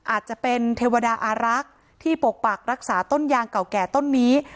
อาจจะเป็นเทวดาอารักษ์ที่ปกปักรักษาต้นยางเก่าแก่ต้นนี้